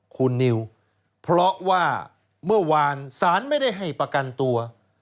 คุณนิวเพราะว่าเมื่อวานสารไม่ได้ให้ประกันตัว